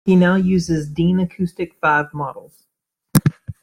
He now uses Dean acoustic V models.